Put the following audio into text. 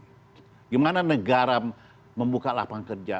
bagaimana negara membuka lapangan kerja